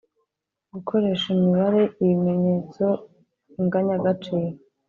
• Gukoresha imibare, ibimenyetso, inganyagaciro.